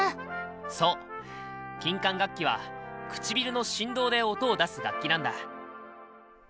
そう金管楽器は唇の振動で音を出す楽器なんだ。